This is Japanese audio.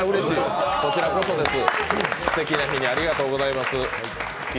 こちらこそです、すてきな日にありがとうございます。